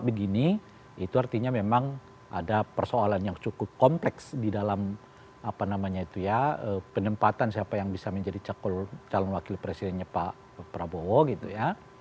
jadi kalau di sini itu artinya memang ada persoalan yang cukup kompleks di dalam penempatan siapa yang bisa menjadi calon wakil presidennya pak prabowo gitu ya